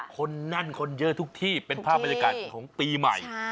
คนนั่นคนเยอะทุกที่เป็นภาพบรรยากาศของปีใหม่